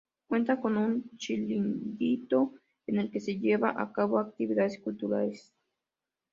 Cuenta con un chiringuito en el que se llevan a cabo actividades culturales.